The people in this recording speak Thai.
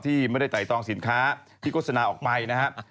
ที่มันได้ไตดองสินค้าที่โฆษณาออกไปนะฮะ